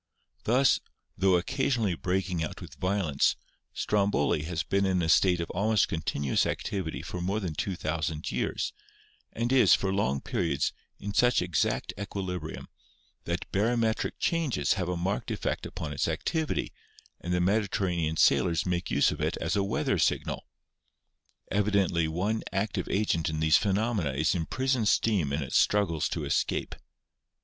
Thus, tho occasionally breaking out with violence, VULCANISM 115 Stromboli has been in a state of almost continuous activity for more than 2,000 years, and is, for long periods, in such exact equilibrium, that barometric changes have a marked effect upon its activity and the Mediterranean sailors make use of it as a weather signal. Evidently one active agent in these phenomena is im prisoned steam in its struggles to escape.